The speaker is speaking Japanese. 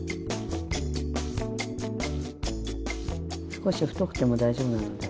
少し太くても大丈夫なので。